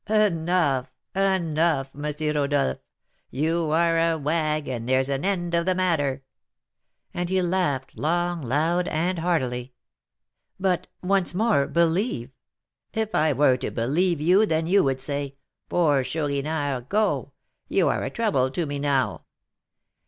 Enough, enough, M. Rodolph; you are a wag, and there's an end of the matter." And he laughed long, loud, and heartily. "But, once more, believe " "If I were to believe you, then you would say, 'Poor Chourineur! go! you are a trouble to me now.'"